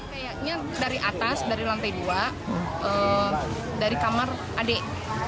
kayaknya dari atas dari lantai dua dari kamar adik